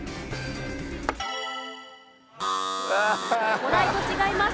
お題と違います。